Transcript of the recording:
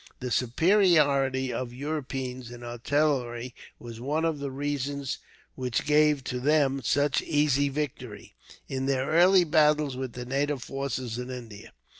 The superiority of Europeans in artillery was one of the reasons which gave to them such easy victory, in their early battles with the native forces in India.